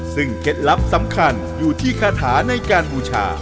ซึ่งเคล็ดลับสำคัญอยู่ที่คาถาในการบูชา